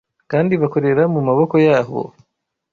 kandi bakorera mu maboko yabo